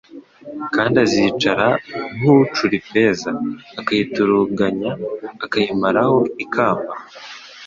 Kandi azicara nk'ucura ifeza akayituruganya akayimaraho inkamba,